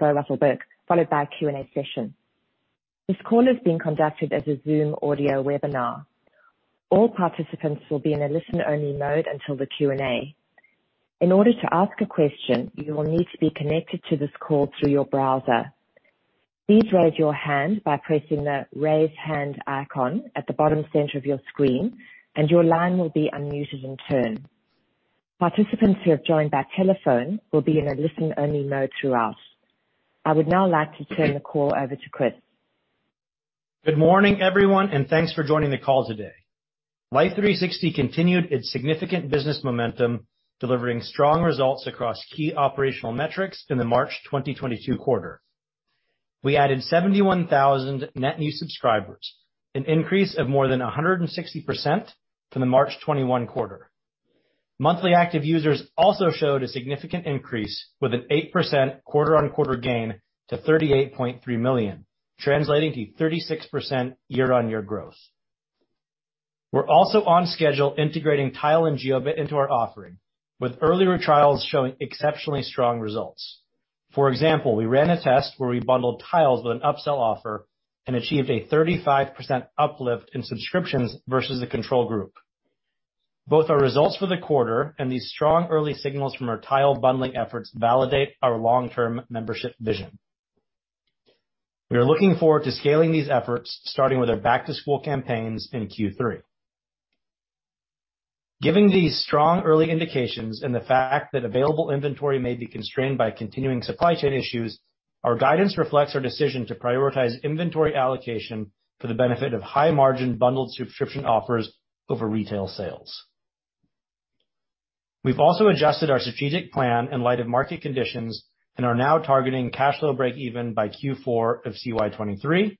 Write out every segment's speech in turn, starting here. Russell Burke, followed by a Q&A session. This call is being conducted as a Zoom audio webinar. All participants will be in a listen-only mode until the Q&A. In order to ask a question, you will need to be connected to this call through your browser. Please raise your hand by pressing the Raise Hand icon at the bottom center of your screen and your line will be unmuted in turn. Participants who have joined by telephone will be in a listen-only mode throughout. I would now like to turn the call over to Chris Hulls. Good morning, everyone, and thanks for joining the call today. Life360 continued its significant business momentum, delivering strong results across key operational metrics in the March 2022 quarter. We added 71,000 net new subscribers, an increase of more than 160% from the March 2021 quarter. Monthly active users also showed a significant increase with an 8% quarter-on-quarter gain to 38.3 million, translating to 36% year-on-year growth. We're also on schedule integrating Tile and Jiobit into our offering, with earlier trials showing exceptionally strong results. For example, we ran a test where we bundled Tiles with an upsell offer and achieved a 35% uplift in subscriptions versus the control group. Both our results for the quarter and these strong early signals from our Tile bundling efforts validate our long-term membership vision. We are looking forward to scaling these efforts, starting with our back-to-school campaigns in Q3. Given these strong early indications and the fact that available inventory may be constrained by continuing supply chain issues, our guidance reflects our decision to prioritize inventory allocation for the benefit of high-margin bundled subscription offers over retail sales. We've also adjusted our strategic plan in light of market conditions and are now targeting cash flow breakeven by Q4 of CY 2023,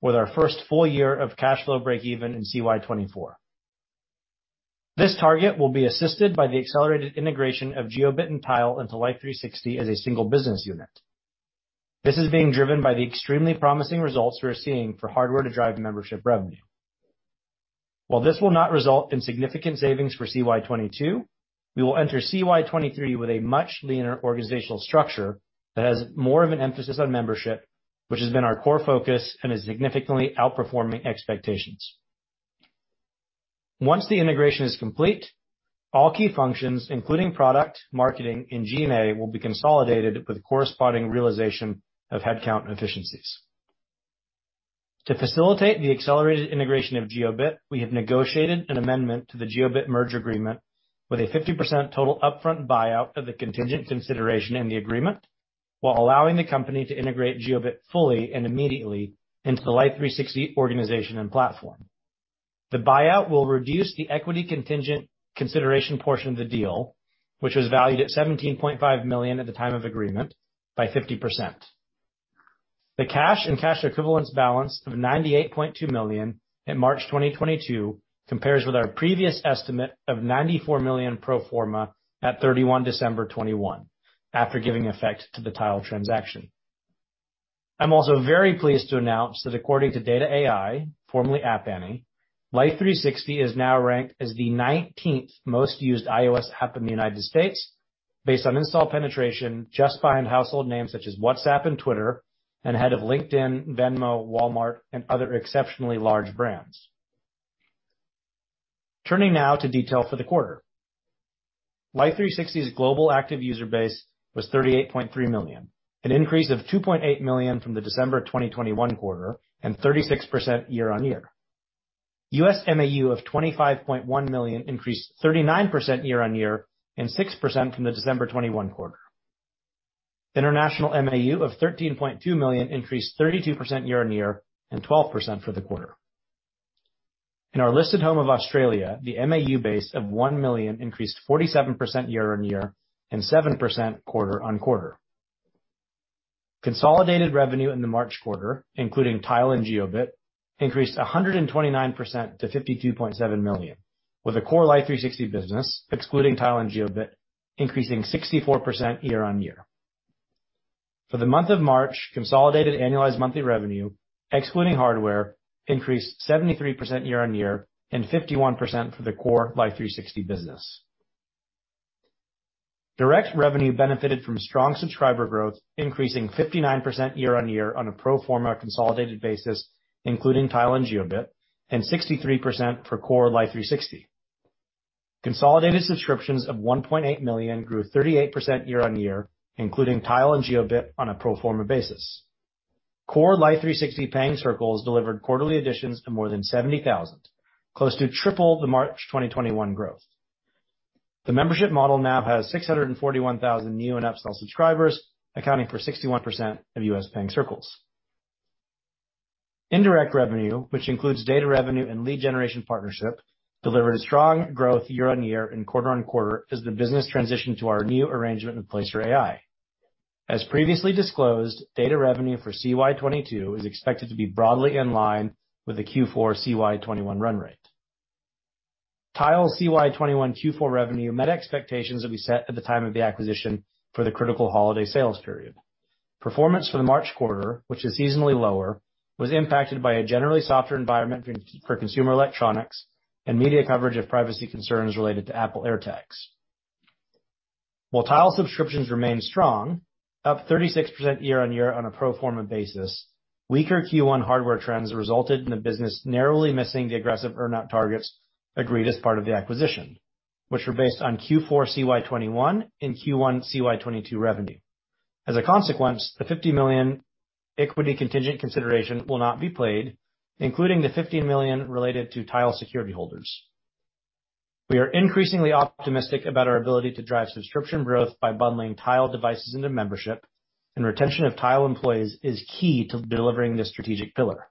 with our first full year of cash flow breakeven in CY 2024. This target will be assisted by the accelerated integration of Jiobit and Tile into Life360 as a single business unit. This is being driven by the extremely promising results we're seeing for hardware to drive membership revenue. While this will not result in significant savings for CY 2022, we will enter CY 2023 with a much leaner organizational structure that has more of an emphasis on membership, which has been our core focus and is significantly outperforming expectations. Once the integration is complete, all key functions, including product, marketing, and G&A, will be consolidated with corresponding realization of headcount and efficiencies. To facilitate the accelerated integration of Jiobit, we have negotiated an amendment to the Jiobit merger agreement with a 50% total upfront buyout of the contingent consideration in the agreement, while allowing the company to integrate Jiobit fully and immediately into the Life360 organization and platform. The buyout will reduce the equity contingent consideration portion of the deal, which was valued at $17.5 million at the time of agreement, by 50%. The cash and cash equivalents balance of $98.2 million in March 2022 compares with our previous estimate of $94 million pro forma at December 31, 2021 after giving effect to the Tile transaction. I'm also very pleased to announce that according to data.ai, formerly App Annie, Life360 is now ranked as the 19th most used iOS app in the United States based on install penetration, just behind household names such as WhatsApp and Twitter, and ahead of LinkedIn, Venmo, Walmart, and other exceptionally large brands. Turning now to detail for the quarter. Life360's global active user base was 38.3 million, an increase of 2.8 million from the December 2021 quarter and 36% year-on-year. US MAU of 25.1 million increased 39% year-on-year and 6% from the December 2021 quarter. International MAU of 13.2 million increased 32% year-on-year and 12% for the quarter. In our listed home of Australia, the MAU base of 1 million increased 47% year-on-year and 7% quarter-on-quarter. Consolidated revenue in the March quarter, including Tile and Jiobit, increased 129% to $52.7 million, with the core Life360 business, excluding Tile and Jiobit, increasing 64% year-on-year. For the month of March, consolidated annualized monthly revenue, excluding hardware, increased 73% year-on-year and 51% for the core Life360 business. Direct revenue benefited from strong subscriber growth, increasing 59% year-on-year on a pro forma consolidated basis, including Tile and Jiobit, and 63% for core Life360. Consolidated subscriptions of 1.8 million grew 38% year-on-year, including Tile and Jiobit on a pro forma basis. Core Life360 paying circles delivered quarterly additions to more than 70,000, close to triple the March 2021 growth. The membership model now has 641,000 new and upsell subscribers, accounting for 61% of US paying circles. Indirect revenue, which includes data revenue and lead generation partnership, delivered strong growth year-on-year and quarter-over-quarter as the business transitioned to our new arrangement in place for data.ai. As previously disclosed, data revenue for CY 2022 is expected to be broadly in line with the Q4 CY 2021 run rate. Tile CY 2021 Q4 revenue met expectations that we set at the time of the acquisition for the critical holiday sales period. Performance for the March quarter, which is seasonally lower, was impacted by a generally softer environment for consumer electronics and media coverage of privacy concerns related to Apple AirTags. While Tile subscriptions remain strong, up 36% year-on-year on a pro forma basis, weaker Q1 hardware trends resulted in the business narrowly missing the aggressive earn-out targets agreed as part of the acquisition, which were based on Q4 CY 2021 and Q1 CY 2022 revenue. As a consequence, the $50 million equity contingent consideration will not be paid, including the $15 million related to Tile security holders. We are increasingly optimistic about our ability to drive subscription growth by bundling Tile devices into membership and retention of Tile employees is key to delivering this strategic pillar.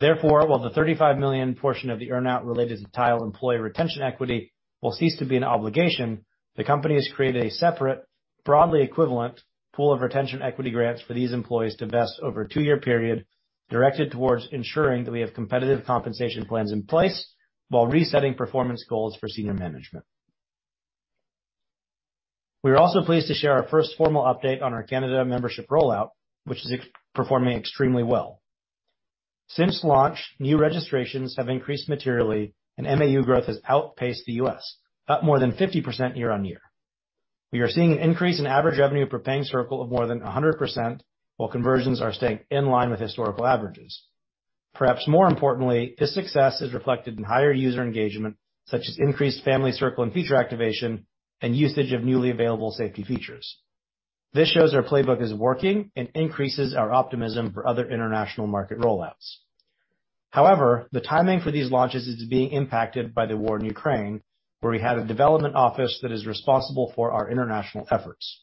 Therefore, while the $35 million portion of the earn out related to Tile employee retention equity will cease to be an obligation, the company has created a separate, broadly equivalent pool of retention equity grants for these employees to vest over a 2-year period, directed towards ensuring that we have competitive compensation plans in place while resetting performance goals for senior management. We are also pleased to share our first formal update on our Canada membership rollout, which is performing extremely well. Since launch, new registrations have increased materially and MAU growth has outpaced the U.S., up more than 50% year-on-year. We are seeing an increase in average revenue per paying circle of more than 100%, while conversions are staying in line with historical averages. Perhaps more importantly, this success is reflected in higher user engagement, such as increased family circle and feature activation and usage of newly available safety features. This shows our playbook is working and increases our optimism for other international market rollouts. However, the timing for these launches is being impacted by the war in Ukraine, where we had a development office that is responsible for our international efforts.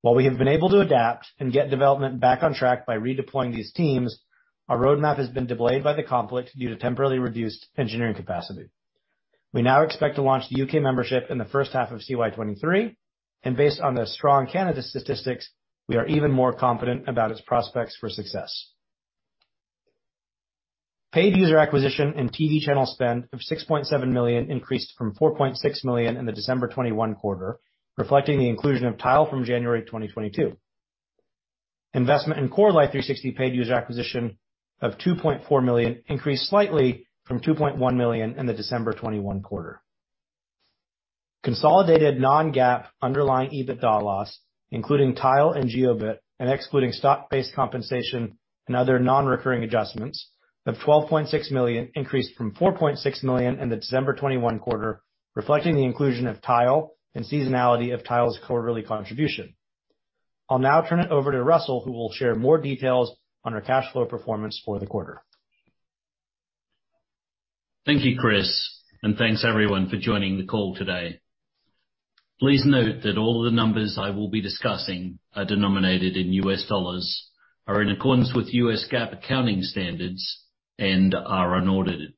While we have been able to adapt and get development back on track by redeploying these teams, our roadmap has been delayed by the conflict due to temporarily reduced engineering capacity. We now expect to launch the UK membership in the first half of CY 2023, and based on the strong Canada statistics, we are even more confident about its prospects for success. Paid user acquisition and TV channel spend of $6.7 million increased from $4.6 million in the December 2021 quarter, reflecting the inclusion of Tile from January 2022. Investment in core Life360 paid user acquisition of $2.4 million increased slightly from $2.1 million in the December 2021 quarter. Consolidated non-GAAP underlying EBITDA loss, including Tile and Jiobit and excluding stock-based compensation and other non-recurring adjustments of $12.6 million increased from $4.6 million in the December 2021 quarter, reflecting the inclusion of Tile and seasonality of Tile's quarterly contribution. I'll now turn it over to Russell who will share more details on our cash flow performance for the quarter. Thank you, Chris, and thanks everyone for joining the call today. Please note that all the numbers I will be discussing are denominated in US dollars, are in accordance with US GAAP accounting standards, and are unaudited.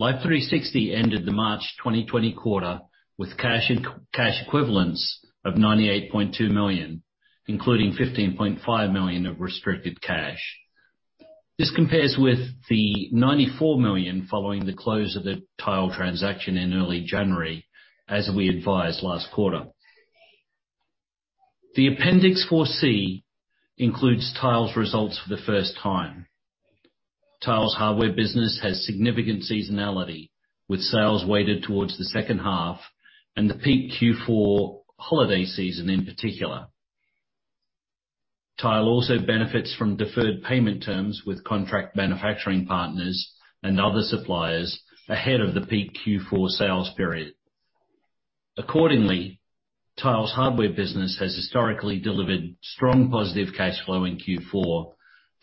Life360 ended the March 2020 quarter with cash and cash equivalents of $98.2 million, including $15.5 million of restricted cash. This compares with the $94 million following the close of the Tile transaction in early January, as we advised last quarter. The Appendix 4C includes Tile's results for the first time. Tile's hardware business has significant seasonality, with sales weighted towards the second half and the peak Q4 holiday season in particular. Tile also benefits from deferred payment terms with contract manufacturing partners and other suppliers ahead of the peak Q4 sales period. Accordingly, Tile's hardware business has historically delivered strong positive cash flow in Q4,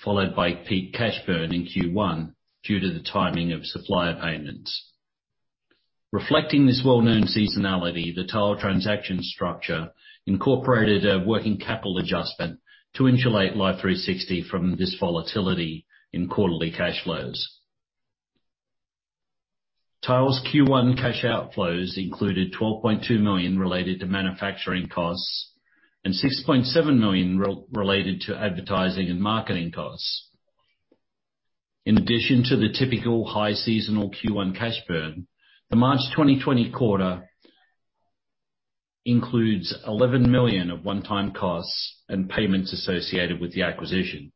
followed by peak cash burn in Q1 due to the timing of supplier payments. Reflecting this well-known seasonality, the Tile transaction structure incorporated a working capital adjustment to insulate Life360 from this volatility in quarterly cash flows. Tile's Q1 cash outflows included $12.2 million related to manufacturing costs and $6.7 million related to advertising and marketing costs. In addition to the typical high seasonal Q1 cash burn, the March 2020 quarter includes $11 million of one-time costs and payments associated with the acquisition.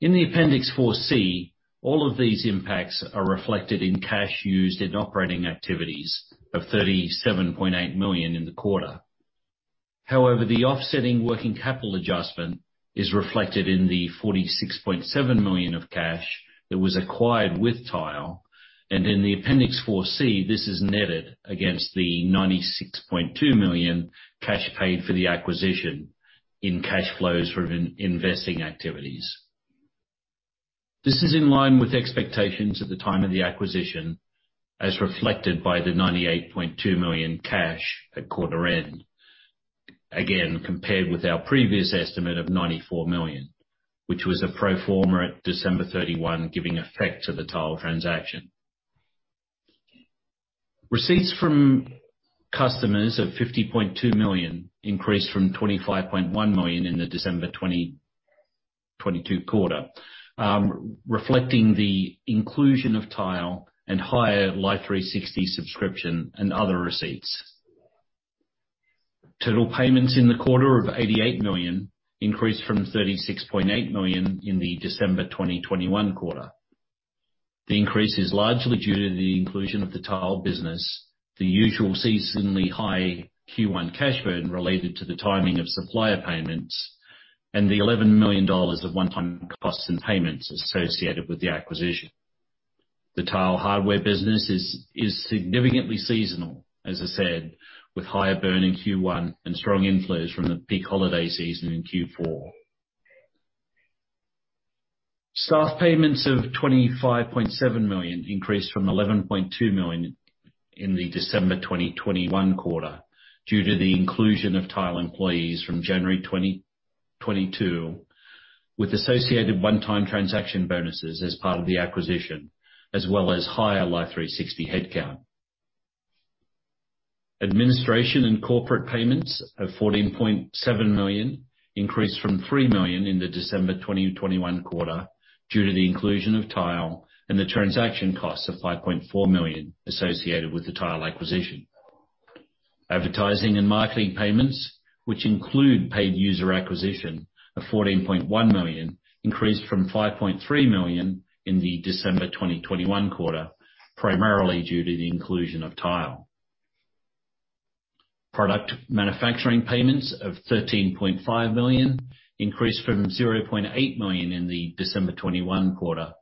In the Appendix 4C, all of these impacts are reflected in cash used in operating activities of $37.8 million in the quarter. However, the offsetting working capital adjustment is reflected in the $46.7 million of cash that was acquired with Tile and in the Appendix 4C, this is netted against the $96.2 million cash paid for the acquisition in cash flows from investing activities. This is in line with expectations at the time of the acquisition, as reflected by the $98.2 million cash at quarter end. Again, compared with our previous estimate of $94 million, which was a pro forma at December 31, giving effect to the Tile transaction. Receipts from customers of $50.2 million increased from $25.1 million in the December 2022 quarter, reflecting the inclusion of Tile and higher Life360 subscription and other receipts. Total payments in the quarter of $88 million increased from $36.8 million in the December 2021 quarter. The increase is largely due to the inclusion of the Tile business, the usual seasonally high Q1 cash burn related to the timing of supplier payments, and the $11 million of one-time costs and payments associated with the acquisition. The Tile hardware business is significantly seasonal, as I said, with higher burn in Q1 and strong inflows from the peak holiday season in Q4. Staff payments of $25.7 million increased from $11.2 million in the December 2021 quarter, due to the inclusion of Tile employees from January 2022, with associated one-time transaction bonuses as part of the acquisition, as well as higher Life360 headcount. Administration and corporate payments of $14.7 million increased from $3 million in the December 2021 quarter due to the inclusion of Tile and the transaction costs of $5.4 million associated with the Tile acquisition. Advertising and marketing payments, which include paid user acquisition of $14.1 million, increased from $5.3 million in the December 2021 quarter, primarily due to the inclusion of Tile. Product manufacturing payments of $13.5 million increased from $0.8 million in the December 2021 quarter,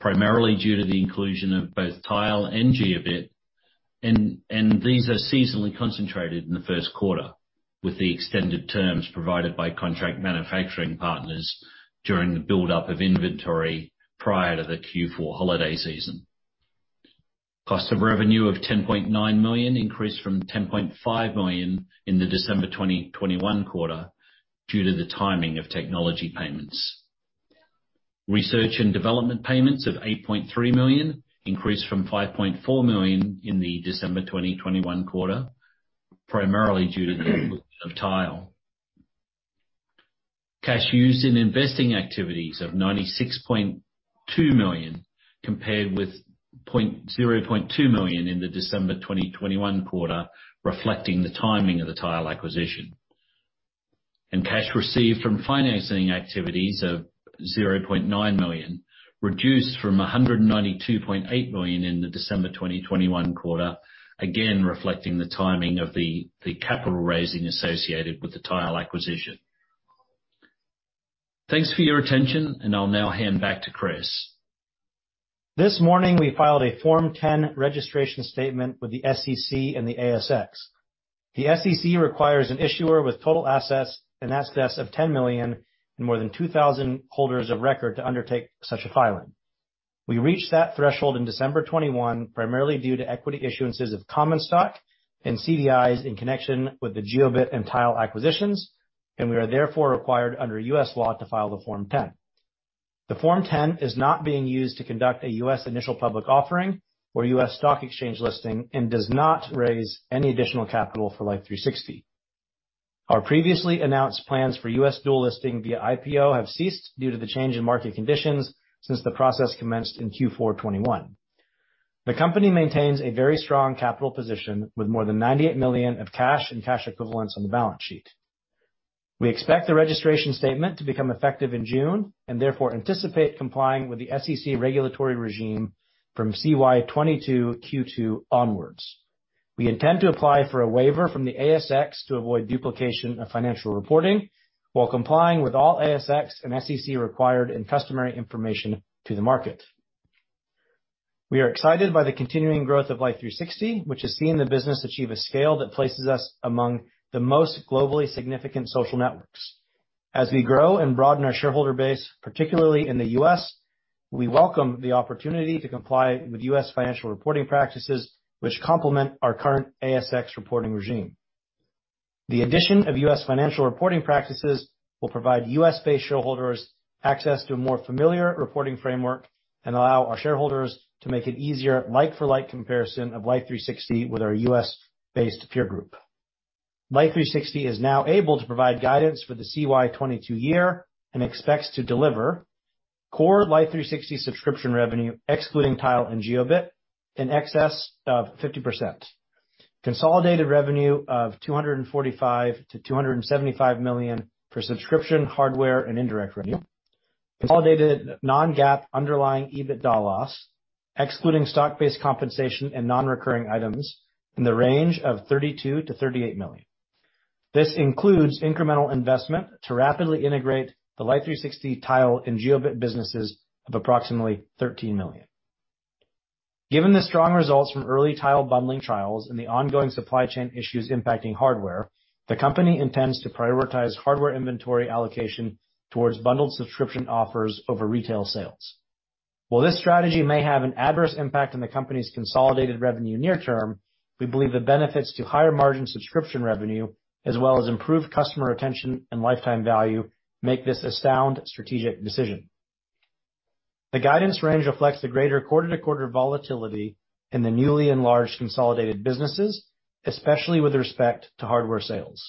primarily due to the inclusion of both Tile and Jiobit. These are seasonally concentrated in the first quarter, with the extended terms provided by contract manufacturing partners during the buildup of inventory prior to the Q4 holiday season. Cost of revenue of $10.9 million increased from $10.5 million in the December 2021 quarter due to the timing of technology payments. Research and development payments of $8.3 million increased from $5.4 million in the December 2021 quarter, primarily due to the inclusion of Tile. Cash used in investing activities of $96.2 million compared with $0.2 million in the December 2021 quarter, reflecting the timing of the Tile acquisition. Cash received from financing activities of $0.9 million, reduced from $192.8 million in the December 2021 quarter, reflecting the timing of the capital raising associated with the Tile acquisition. Thanks for your attention and I'll now hand back to Chris. This morning, we filed a Form 10 registration statement with the SEC and the ASX. The SEC requires an issuer with total assets of $10 million and more than 2,000 holders of record to undertake such a filing. We reached that threshold in December 2021, primarily due to equity issuances of common stock and CDIs in connection with the Jiobit and Tile acquisitions, and we are therefore required under U.S. law to file the Form 10. The Form 10 is not being used to conduct a U.S. initial public offering or U.S. stock exchange listing and does not raise any additional capital for Life360. Our previously announced plans for U.S. dual listing via IPO have ceased due to the change in market conditions since the process commenced in Q4 2021. The company maintains a very strong capital position with more than $98 million in cash and cash equivalents on the balance sheet. We expect the registration statement to become effective in June and therefore anticipate complying with the SEC regulatory regime from CY 2022 Q2 onwards. We intend to apply for a waiver from the ASX to avoid duplication of financial reporting while complying with all ASX and SEC required and customary information to the market. We are excited by the continuing growth of Life360, which has seen the business achieve a scale that places us among the most globally significant social networks. As we grow and broaden our shareholder base, particularly in the U.S., we welcome the opportunity to comply with U.S. financial reporting practices, which complement our current ASX reporting regime. The addition of US financial reporting practices will provide US-based shareholders access to a more familiar reporting framework and allow our shareholders to make it easier like-for-like comparison of Life360 with our US-based peer group. Life360 is now able to provide guidance for the CY 2022 year and expects to deliver core Life360 subscription revenue, excluding Tile and Jiobit, in excess of 50%. Consolidated revenue of $245 million-$275 million for subscription, hardware, and indirect revenue. Consolidated non-GAAP underlying EBITDA loss, excluding stock-based compensation and non-recurring items in the range of $32 million-$38 million. This includes incremental investment to rapidly integrate the Life360, Tile and Jiobit businesses of approximately $13 million. Given the strong results from early Tile bundling trials and the ongoing supply chain issues impacting hardware, the company intends to prioritize hardware inventory allocation towards bundled subscription offers over retail sales. While this strategy may have an adverse impact on the company's consolidated revenue near term, we believe the benefits to higher margin subscription revenue, as well as improved customer retention and lifetime value, make this a sound strategic decision. The guidance range reflects the greater quarter-to-quarter volatility in the newly enlarged consolidated businesses, especially with respect to hardware sales.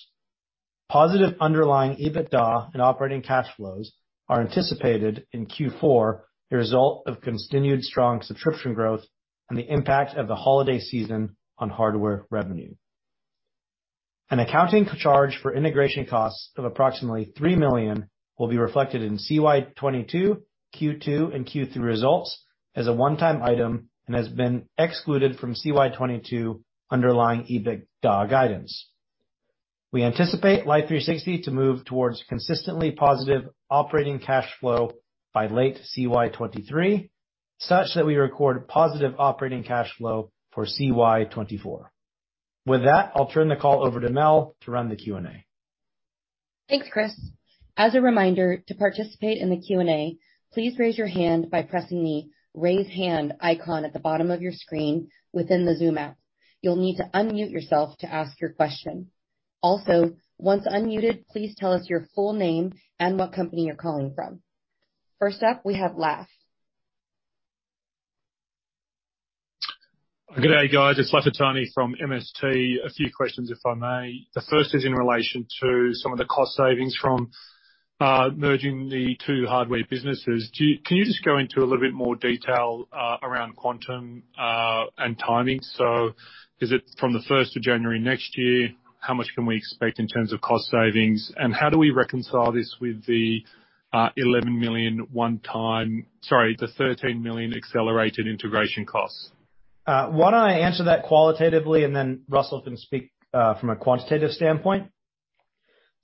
Positive underlying EBITDA and operating cash flows are anticipated in Q4, the result of continued strong subscription growth and the impact of the holiday season on hardware revenue. An accounting charge for integration costs of approximately $3 million will be reflected in CY 2022, Q2, and Q3 results as a one-time item and has been excluded from CY 2022 underlying EBITDA guidance. We anticipate Life360 to move towards consistently positive operating cash flow by late CY 2023, such that we record positive operating cash flow for CY 2024. With that, I'll turn the call over to Mel to run the Q&A. Thanks, Chris. As a reminder, to participate in the Q&A, please raise your hand by pressing the Raise Hand icon at the bottom of your screen within the Zoom app. You'll need to unmute yourself to ask your question. Also, once unmuted, please tell us your full name and what company you're calling from. First up, we have Laf. Good day, guys. It's Lafitani from MST. A few questions, if I may. The first is in relation to some of the cost savings from merging the two hardware businesses. Can you just go into a little bit more detail around quantum and timing? So is it from the first of January next year? How much can we expect in terms of cost savings? And how do we reconcile this with the $13 million accelerated integration costs? Why don't I answer that qualitatively and then Russell can speak from a quantitative standpoint?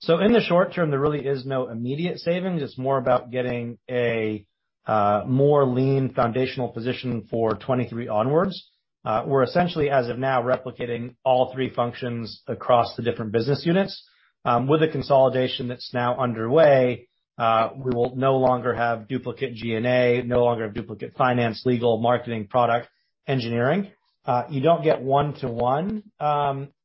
In the short term, there really is no immediate savings. It's more about getting a more lean foundational position for 2023 onwards. We're essentially, as of now, replicating all three functions across the different business units. With the consolidation that's now underway, we will no longer have duplicate G&A, no longer have duplicate finance, legal, marketing, product, engineering. You don't get one-to-one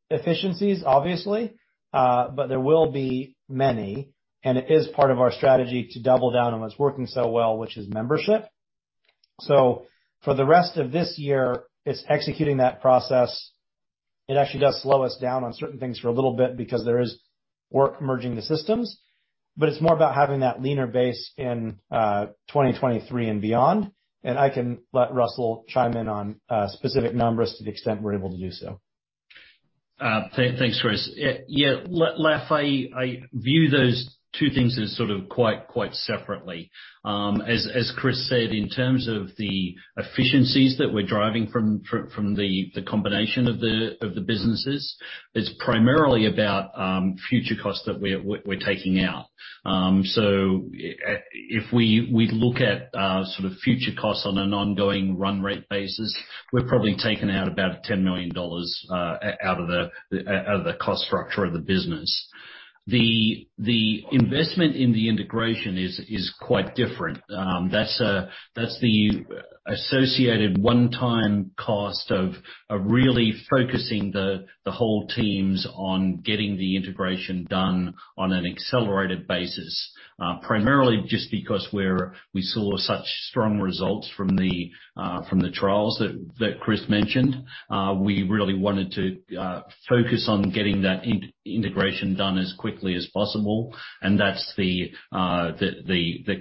efficiencies, obviously, but there will be many, and it is part of our strategy to double down on what's working so well, which is membership. For the rest of this year, it's executing that process. It actually does slow us down on certain things for a little bit because there is work merging the systems, but it's more about having that leaner base in 2023 and beyond. I can let Russell chime in on specific numbers to the extent we're able to do so. Thanks, Chris. Yeah, Laf, I view those two things as sort of quite separately. As Chris said, in terms of the efficiencies that we're driving from the combination of the businesses, it's primarily about future costs that we're taking out. If we look at sort of future costs on an ongoing run rate basis, we've probably taken out about $10 million out of the cost structure of the business. The investment in the integration is quite different. That's the associated one-time cost of really focusing the whole teams on getting the integration done on an accelerated basis. Primarily just because we saw such strong results from the trials that Chris mentioned. We really wanted to focus on getting that integration done as quickly as possible and that's the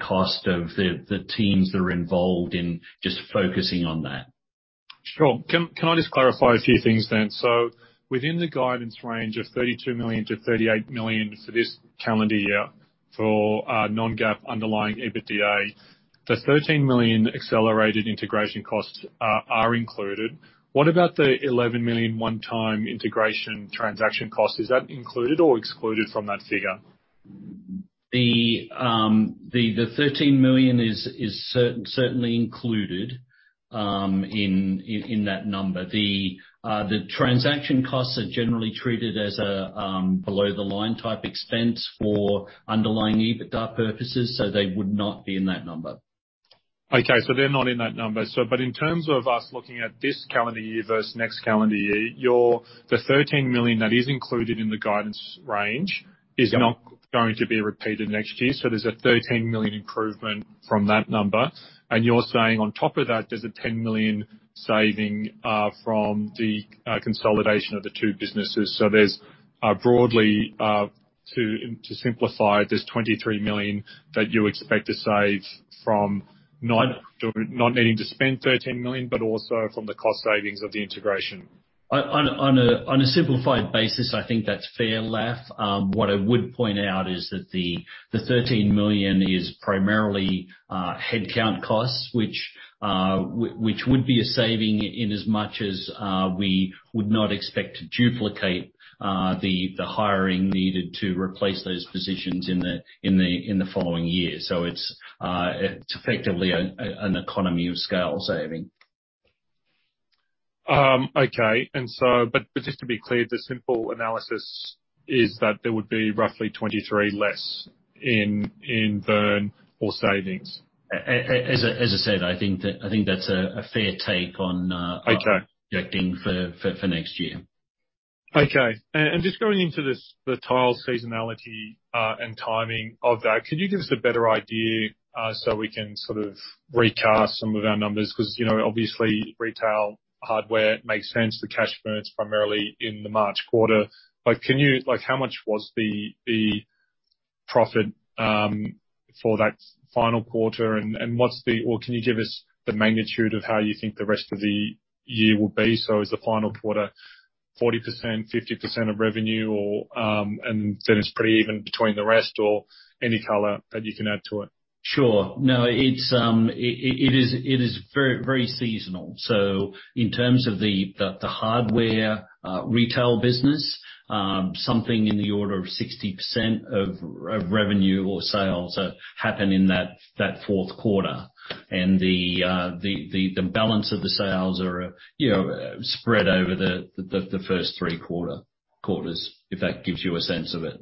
cost of the teams that are involved in just focusing on that. Sure. Can I just clarify a few things then? Within the guidance range of $32 million-$38 million for this calendar year for non-GAAP underlying EBITDA, the $13 million accelerated integration costs are included. What about the $11 million one-time integration transaction cost? Is that included or excluded from that figure? The $13 million is certainly included in that number. The transaction costs are generally treated as a below-the-line type expense for underlying EBITDA purposes, so they would not be in that number. Okay. They're not in that number. In terms of us looking at this calendar year versus next calendar year, the $13 million that is included in the guidance range is not going to be repeated next year. There's a $13 million improvement from that number. You're saying on top of that, there's a $10 million saving from the consolidation of the two businesses. There's broadly to simplify it, there's $23 million that you expect to save from not needing to spend $13 million, but also from the cost savings of the integration. On a simplified basis, I think that's fair, Laf. What I would point out is that the $13 million is primarily headcount costs, which would be a saving inasmuch as we would not expect to duplicate the hiring needed to replace those positions in the following year. It's effectively an economy of scale saving. Just to be clear, the simple analysis is that there would be roughly 23 less in burn or savings. As I said, I think that's a fair take on. Okay. projecting for next year. Okay. Just going into this, the Tile seasonality and timing of that, could you give us a better idea so we can sort of recast some of our numbers? 'Cause, you know, obviously retail hardware makes sense, the cash burns primarily in the March quarter. But can you like, how much was the profit for that final quarter and what's the. Or can you give us the magnitude of how you think the rest of the year will be? Is the final quarter 40%, 50% of revenue or and then it's pretty even between the rest or any color that you can add to it. Sure. No, it's very seasonal. In terms of the hardware retail business, something in the order of 60% of revenue or sales happen in that fourth quarter. The balance of the sales are, you know, spread over the first three quarters, if that gives you a sense of it.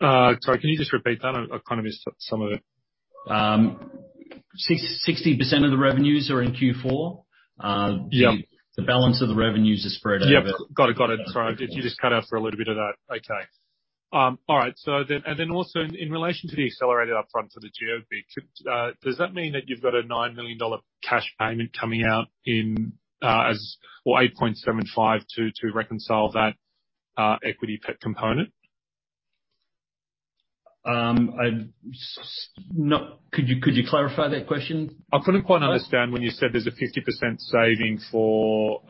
Sorry, can you just repeat that? I kind of missed some of it. 60% of the revenues are in Q4. Yeah. The balance of the revenues is spread over. Yeah. Got it. Sorry. You just cut out for a little bit of that. Okay. All right. Also in relation to the accelerated upfront for the Jiobit, does that mean that you've got a $9 million cash payment coming out in cash or $8.75 million to reconcile that equity component? Could you clarify that question? I couldn't quite understand when you said there's a 50% saving for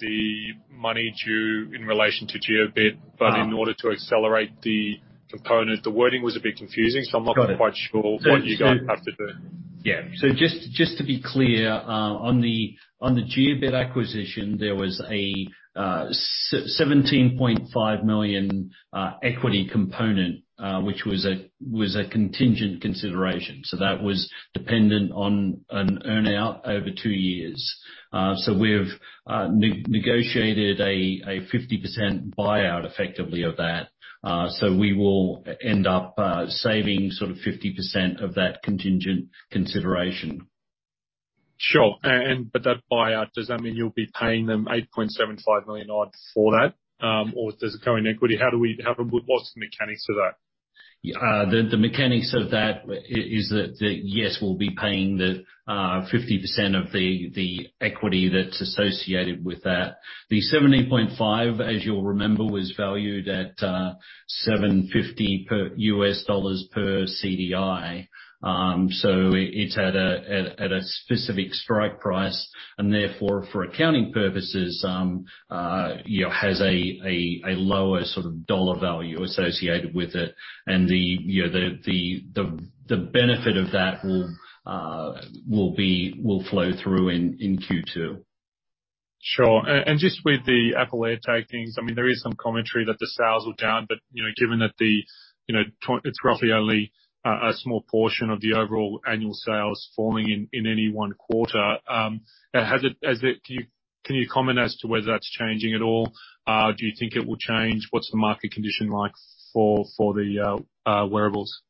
the money due in relation to Jiobit. Ah. In order to accelerate the component, the wording was a bit confusing, so I'm not- Got it. Not quite sure what you guys have to do. Yeah. Just to be clear on the Jiobit acquisition there was a $17.5 million equity component which was a contingent consideration. That was dependent on an earn-out over two years. We've negotiated a 50% buyout effectively of that. We will end up saving sort of 50% of that contingent consideration. Sure. That buyout, does that mean you'll be paying them $8.75 million odd for that? Or does it go in equity? What's the mechanics to that? The mechanics of that is that yes, we'll be paying the 50% of the equity that's associated with that. The 17.5, as you'll remember, was valued at $7.50 per USD per CDI. It's at a specific strike price, and therefore, for accounting purposes, you know, has a lower sort of dollar value associated with it. You know, the benefit of that will flow through in Q2. Sure. Just with the Apple AirTag things, I mean, there is some commentary that the sales were down, but, you know, given that the, you know, it's roughly only a small portion of the overall annual sales falling in any one quarter, can you comment as to whether that's changing at all? Do you think it will change? What's the market condition like for the wearables?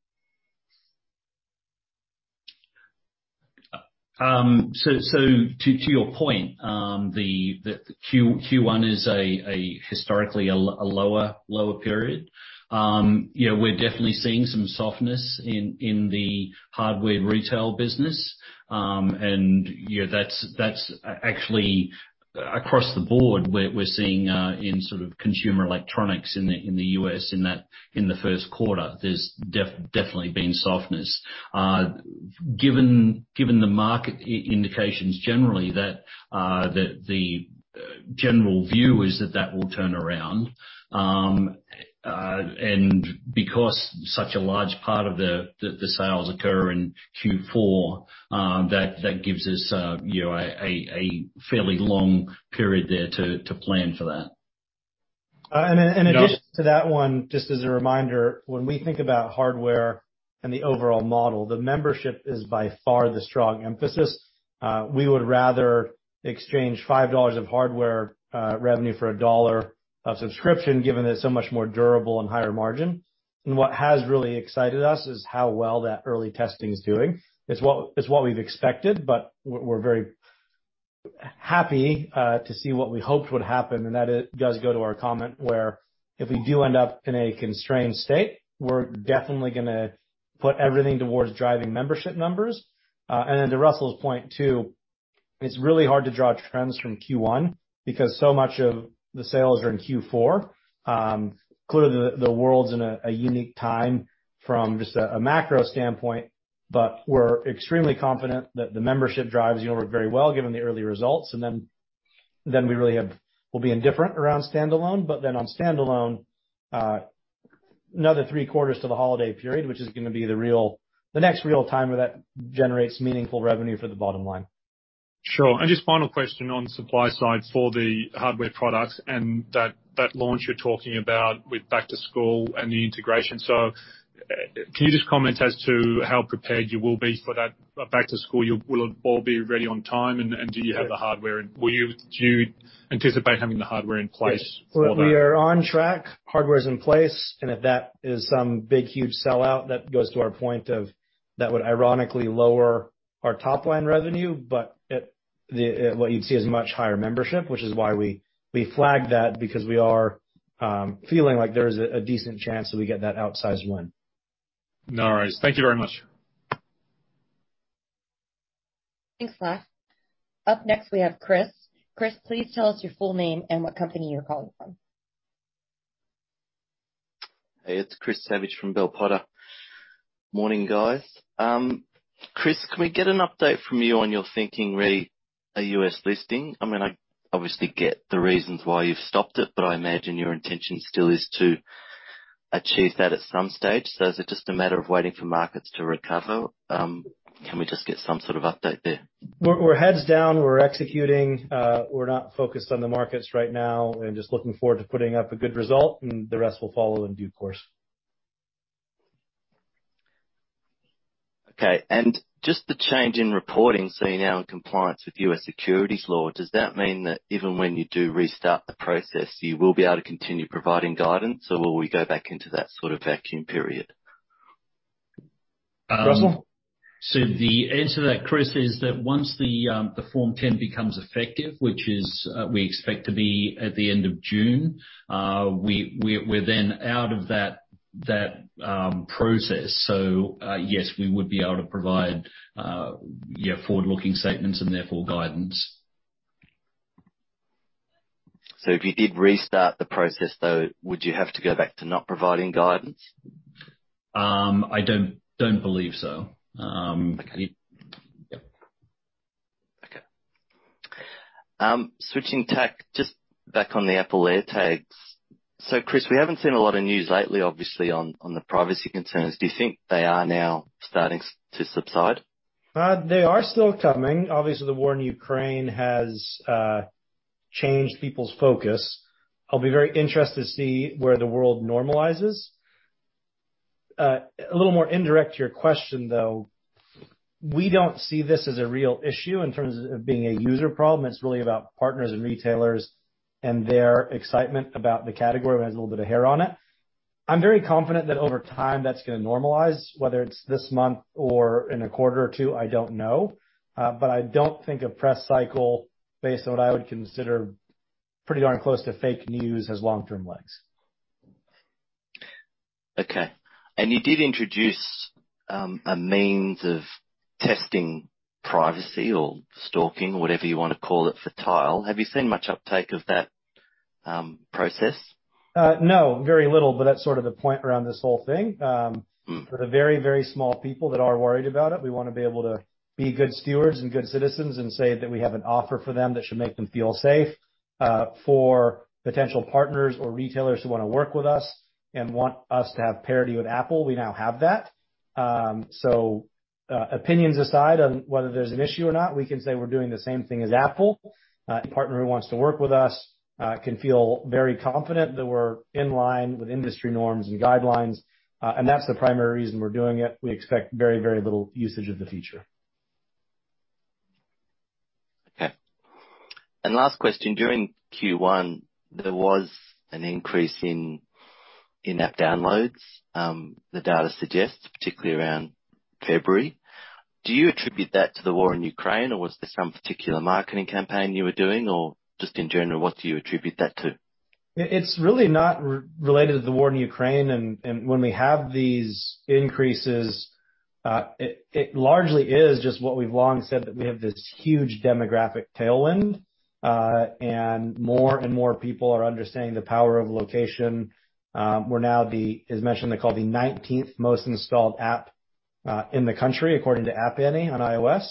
So to your point, the Q1 is historically a lower period. You know, we're definitely seeing some softness in the hardware retail business. You know, that's actually across the board. We're seeing in sort of consumer electronics in the U.S. in that first quarter, there's definitely been softness. Given the market indications generally that the general view is that will turn around. Because such a large part of the sales occur in Q4, that gives us, you know, a fairly long period there to plan for that. In addition to that one, just as a reminder, when we think about hardware and the overall model, the membership is by far the strong emphasis. We would rather exchange $5 of hardware revenue for $1 of subscription, given that it's so much more durable and higher margin. What has really excited us is how well that early testing's doing. It's what we've expected, but we're very happy to see what we hoped would happen and that it does go to our comment where if we do end up in a constrained state, we're definitely gonna put everything towards driving membership numbers. To Russell's point too, it's really hard to draw trends from Q1 because so much of the sales are in Q4. Clearly, the world's in a unique time from just a macro standpoint, but we're extremely confident that the membership drives, you know, work very well, given the early results. We'll be indifferent around standalone, but then on standalone, another three quarters to the holiday period, which is gonna be the next real-timer that generates meaningful revenue for the bottom line. Sure. Just final question on supply side for the hardware products and that launch you're talking about with back to school and the integration. Can you just comment as to how prepared you will be for that back to school? Will it all be ready on time and do you have the hardware? Do you anticipate having the hardware in place for that? We are on track. Hardware is in place and if that is some big, huge sellout, that would ironically lower our top line revenue, but what you'd see is much higher membership, which is why we flagged that because we are feeling like there's a decent chance that we get that outsized win. No worries. Thank you very much. Thanks, Laf. Up next, we have Chris. Chris, please tell us your full name and what company you're calling from. Hey, it's Chris Savage from Bell Potter. Morning, guys. Chris, can we get an update from you on your thinking re a U.S. listing? I mean, I obviously get the reasons why you've stopped it, but I imagine your intention still is to achieve that at some stage. Is it just a matter of waiting for markets to recover? Can we just get some sort of update there? We're heads down. We're executing. We're not focused on the markets right now. We're just looking forward to putting up a good result and the rest will follow in due course. Okay. Just the change in reporting, so you're now in compliance with U.S. securities law, does that mean that even when you do restart the process, you will be able to continue providing guidance? Or will we go back into that sort of vacuum period? Russell? The answer to that, Chris, is that once the Form 10 becomes effective, which we expect to be at the end of June, we're then out of that process. Yes, we would be able to provide yeah forward-looking statements and therefore guidance. If you did restart the process, though, would you have to go back to not providing guidance? I don't believe so. Switching tack, just back on the Apple AirTags. Chris, we haven't seen a lot of news lately, obviously on the privacy concerns. Do you think they are now starting to subside? They are still coming. Obviously, the war in Ukraine has changed people's focus. I'll be very interested to see where the world normalizes. A little more indirect to your question, though. We don't see this as a real issue in terms of it being a user problem. It's really about partners and retailers and their excitement about the category has a little bit of hair on it. I'm very confident that over time that's gonna normalize. Whether it's this month or in a quarter or two, I don't know, but I don't think a press cycle based on what I would consider pretty darn close to fake news has long-term legs. Okay. You did introduce a means of testing privacy or stalking or whatever you wanna call it for Tile. Have you seen much uptake of that process? No, very little, but that's sort of the point around this whole thing. For the very, very small people that are worried about it, we wanna be able to be good stewards and good citizens and say that we have an offer for them that should make them feel safe. For potential partners or retailers who wanna work with us and want us to have parity with Apple, we now have that. Opinions aside on whether there's an issue or not, we can say we're doing the same thing as Apple. Any partner who wants to work with us can feel very confident that we're in line with industry norms and guidelines. That's the primary reason we're doing it. We expect very, very little usage of the feature. Okay. Last question. During Q1, there was an increase in in-app downloads, the data suggests, particularly around February. Do you attribute that to the war in Ukraine, or was there some particular marketing campaign you were doing? Or just in general, what do you attribute that to? It's really not related to the war in Ukraine. When we have these increases, it largely is just what we've long said, that we have this huge demographic tailwind, and more and more people are understanding the power of location. We're now the, as mentioned, they call the 19th most installed app in the country according to App Annie on iOS.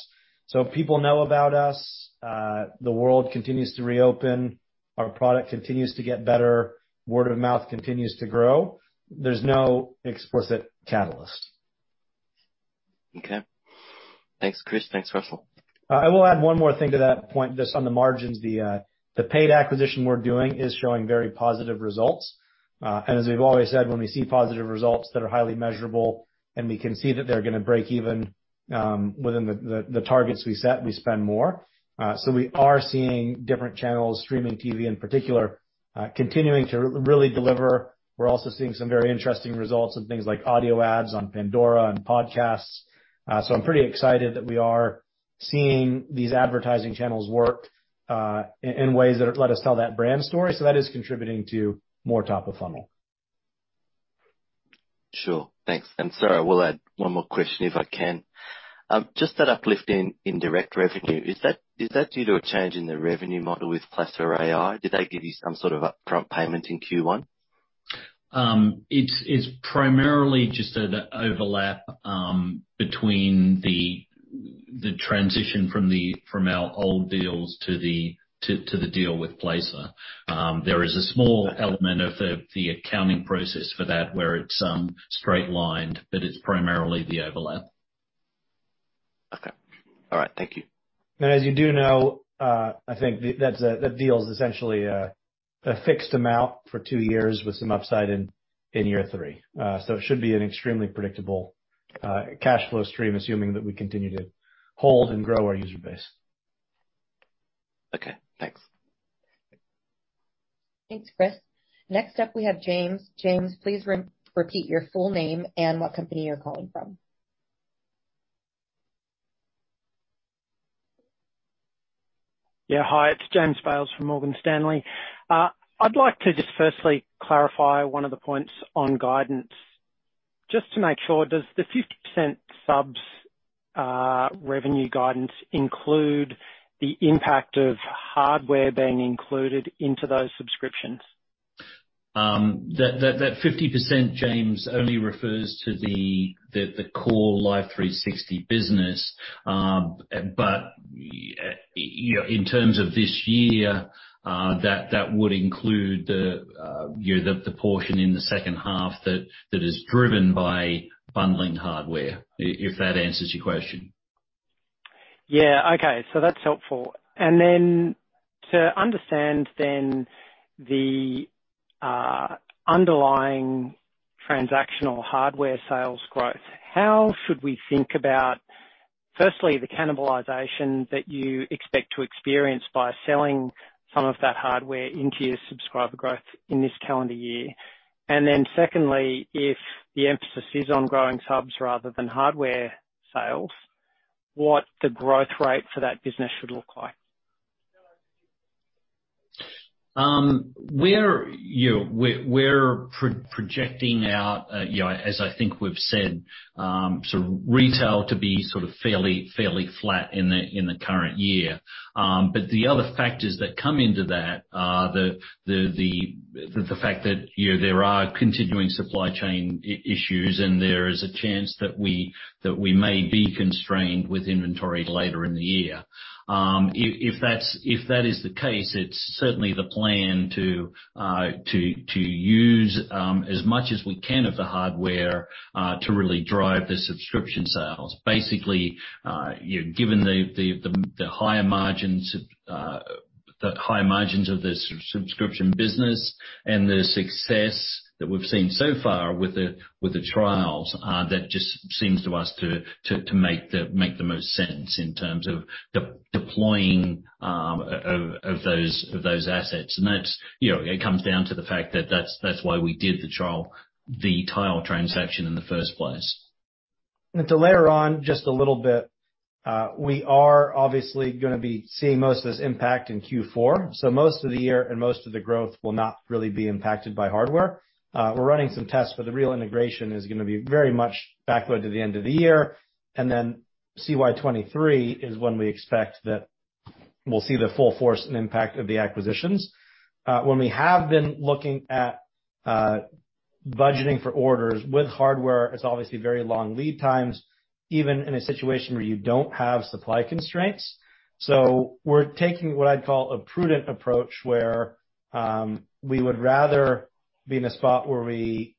People know about us. The world continues to reopen. Our product continues to get better. Word of mouth continues to grow. There's no explicit catalyst. Okay. Thanks, Chris. Thanks, Russell. I will add one more thing to that point, just on the margins. The paid acquisition we're doing is showing very positive results. As we've always said, when we see positive results that are highly measurable and we can see that they're gonna break even, within the targets we set, we spend more. We are seeing different channels, streaming TV in particular, continuing to really deliver. We're also seeing some very interesting results in things like audio ads on Pandora and podcasts. I'm pretty excited that we are seeing these advertising channels work, in ways that let us tell that brand story. That is contributing to more top of funnel. Sure. Thanks. Sorry, we'll add one more question if I can. Just that uplift in direct revenue, is that due to a change in the revenue model with Placer.ai? Did they give you some sort of upfront payment in Q1? It's primarily just an overlap between the transition from our old deals to the deal with Placer. There is a small element of the accounting process for that where it's straight-lined, but it's primarily the overlap. Okay. All right. Thank you. As you do know, I think that deal is essentially a fixed amount for two years with some upside in year three. It should be an extremely predictable cash flow stream, assuming that we continue to hold and grow our user base. Okay. Thanks, Chris. Next up we have James. James, please repeat your full name and what company you're calling from. Yeah. Hi, it's James Bales from Morgan Stanley. I'd like to just firstly clarify one of the points on guidance. Just to make sure, does the 50% subs revenue guidance include the impact of hardware being included into those subscriptions? That 50%, James, only refers to the core Life360 business. You know, in terms of this year, that would include you know, the portion in the second half that is driven by bundling hardware. If that answers your question. Yeah. Okay. That's helpful. To understand then the underlying transactional hardware sales growth, how should we think about, firstly, the cannibalization that you expect to experience by selling some of that hardware into your subscriber growth in this calendar year? And then secondly, if the emphasis is on growing subs rather than hardware sales, what the growth rate for that business should look like? We're projecting out, you know, as I think we've said, retail to be sort of fairly flat in the current year. The other factors that come into that are the fact that, you know, there are continuing supply chain issues, and there is a chance that we may be constrained with inventory later in the year. If that is the case, it's certainly the plan to use as much as we can of the hardware to really drive the subscription sales. Basically, you know, given the higher margins of the subscription business and the success that we've seen so far with the trials, that just seems to us to make the most sense in terms of deploying those assets. That's, you know, it comes down to the fact that that's why we did the trial, the Tile transaction in the first place. To layer on just a little bit, we are obviously gonna be seeing most of this impact in Q4. Most of the year and most of the growth will not really be impacted by hardware. We're running some tests, but the real integration is gonna be very much backloaded to the end of the year. Then CY 2023 is when we expect that we'll see the full force and impact of the acquisitions. When we have been looking at budgeting for orders with hardware, it's obviously very long lead times, even in a situation where you don't have supply constraints. We're taking what I'd call a prudent approach, where we would rather be in a spot where we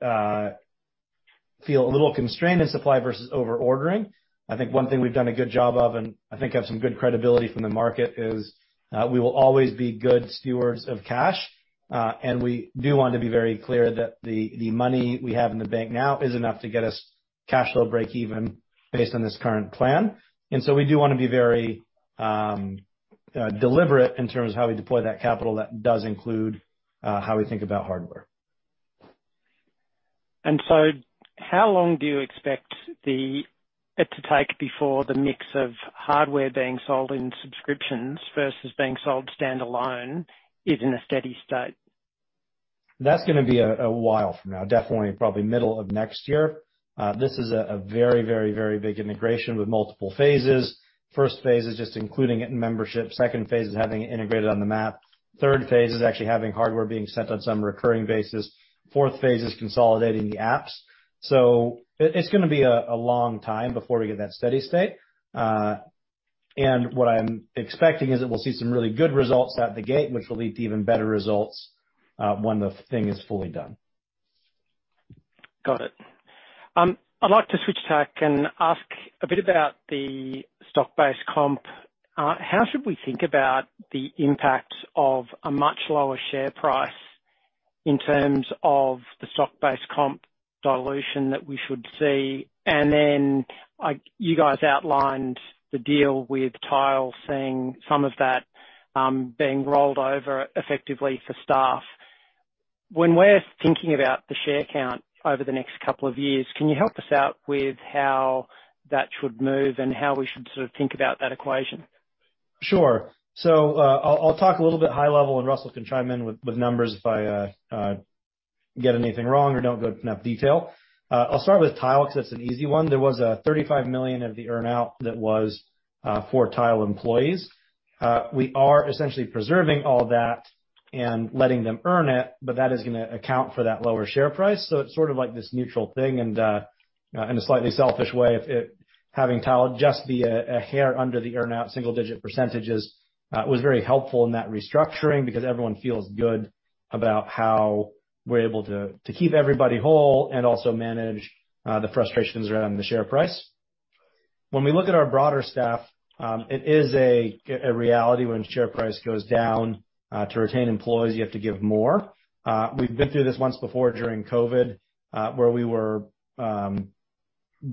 feel a little constrained in supply versus over-ordering. I think one thing we've done a good job of and I think have some good credibility from the market, is we will always be good stewards of cash. We do want to be very clear that the money we have in the bank now is enough to get us cash flow breakeven based on this current plan. We do wanna be very deliberate in terms of how we deploy that capital. That does include how we think about hardware. How long do you expect it to take before the mix of hardware being sold in subscriptions versus being sold standalone is in a steady state? That's gonna be a while from now, definitely probably middle of next year. This is a very big integration with multiple phases. First phase is just including it in membership. Second phase is having it integrated on the map. Third phase is actually having hardware being sent on some recurring basis. Fourth phase is consolidating the apps. It's gonna be a long time before we get that steady state. What I'm expecting is that we'll see some really good results out the gate, which will lead to even better results when the thing is fully done. Got it. I'd like to switch tack and ask a bit about the stock-based comp. How should we think about the impact of a much lower share price in terms of the stock-based comp dilution that we should see? Like you guys outlined the deal with Tile, seeing some of that being rolled over effectively for staff. When we're thinking about the share count over the next couple of years, can you help us out with how that should move and how we should sort of think about that equation? Sure. I'll talk a little bit high level and Russell can chime in with numbers if I get anything wrong or don't go in enough detail. I'll start with Tile because that's an easy one. There was a $35 million of the earn-out that was for Tile employees. We are essentially preserving all that and letting them earn it, but that is gonna account for that lower share price. It's sort of like this neutral thing and, in a slightly selfish way of it, having Tile just be a hair under the earn-out single digit percentages, was very helpful in that restructuring because everyone feels good about how we're able to keep everybody whole and also manage the frustrations around the share price. When we look at our broader staff, it is a reality when share price goes down to retain employees, you have to give more. We've been through this once before during COVID, where we were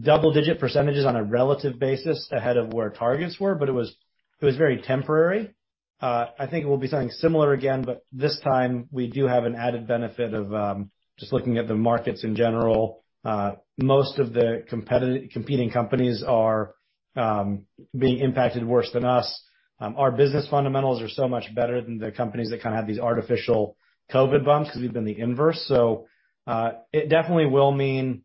double-digit percentages on a relative basis ahead of where targets were, but it was very temporary. I think it will be something similar again, but this time we do have an added benefit of just looking at the markets in general. Most of the competing companies are being impacted worse than us. Our business fundamentals are so much better than the companies that kinda have these artificial COVID bumps because we've been the inverse. It definitely will mean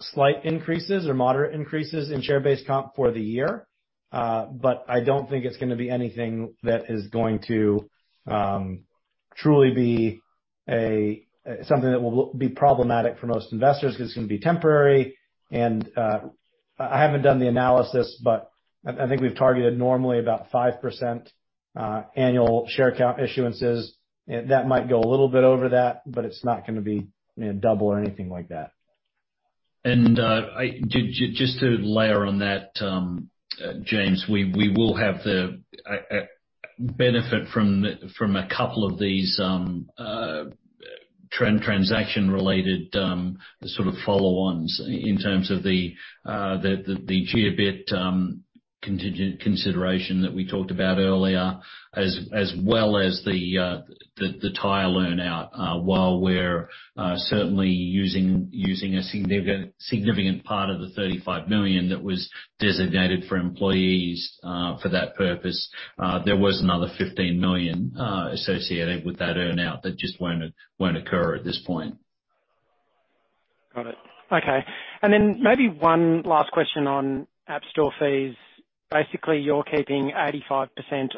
slight increases or moderate increases in share-based comp for the year. I don't think it's gonna be anything that is going to truly be something that will be problematic for most investors 'cause it's gonna be temporary. I haven't done the analysis, but I think we've targeted normally about 5% annual share count issuances. That might go a little bit over that, but it's not gonna be, you know, double or anything like that. Just to layer on that, James, we will have the benefit from a couple of these transaction related sort of follow-ons in terms of the Jiobit contingent consideration that we talked about earlier, as well as the Tile earn out. While we're certainly using a significant part of the $35 million that was designated for employees for that purpose there was another $15 million associated with that earn out that just won't occur at this point. Got it. Okay. Maybe one last question on App Store fees. Basically, you're keeping 85%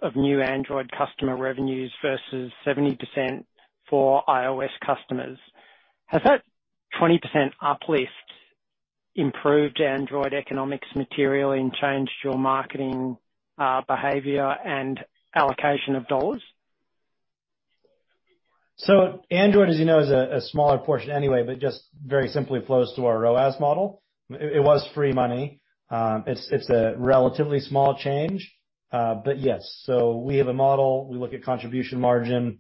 of new Android customer revenues versus 70% for iOS customers. Has that 20% uplift improved Android economics materially and changed your marketing, behavior and allocation of dollars? Android, as you know, is a smaller portion anyway, but just very simply flows to our ROAS model. It was free money. It's a relatively small change. Yes. We have a model. We look at contribution margin.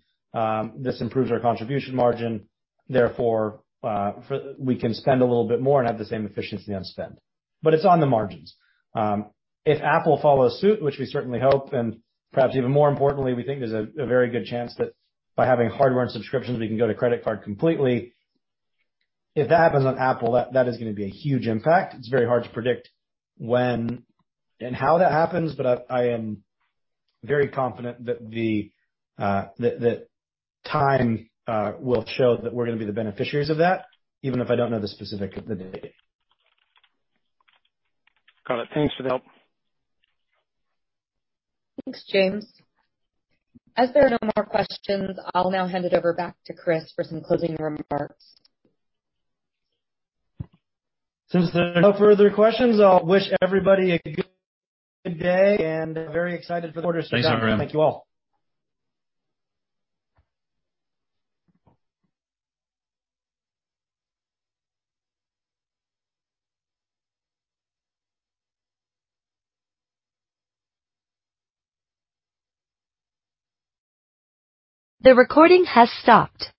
This improves our contribution margin, therefore, we can spend a little bit more and have the same efficiency on spend. It's on the margins. If Apple follows suit, which we certainly hope, and perhaps even more importantly, we think there's a very good chance that by having hardware and subscriptions, we can go to credit card completely. If that happens on Apple, that is gonna be a huge impact. It's very hard to predict when and how that happens, but I am very confident that the time will show that we're gonna be the beneficiaries of that, even if I don't know the specifics of the day. Got it. Thanks for the help. Thanks, James. As there are no more questions, I'll now hand it over back to Chris for some closing remarks. Since there are no further questions, I'll wish everybody a good day and very excited for the quarter. Thank you all. Thanks, everyone.